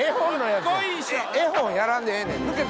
絵本やらんでええねん抜けた。